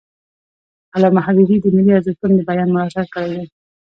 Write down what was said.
علامه حبیبي د ملي ارزښتونو د بیان ملاتړ کړی دی.